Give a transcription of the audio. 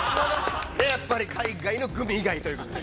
やっぱり海外のグミ以外ということで。